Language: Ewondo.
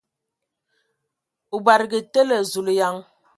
O badǝgǝ tele ! Zulǝyan!